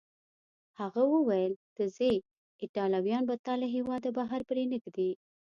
هغه وویل: ته ځې، ایټالویان به تا له هیواده بهر پرېنږدي.